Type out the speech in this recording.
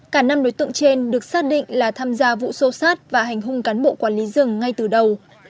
cả năm đối tượng trên được xác định là tham gia vụ xô xát và hành hung cán bộ quản lý rừng ngay từ đầu